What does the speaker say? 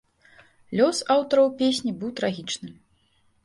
Лёс аўтараў песні быў трагічным.